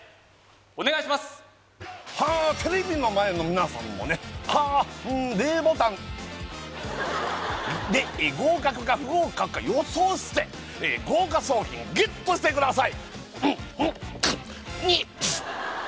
お願いしますはあテレビの前の皆さんもねはあうんｄボタンで合格か不合格か予想して豪華賞品ＧＥＴしてください